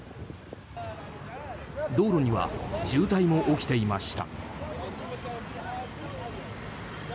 道路には渋滞も起きていました。